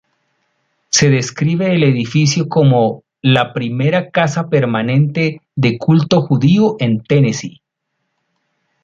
Se describe el edificio como la "Primera Casa Permanente de culto judío en Tennessee".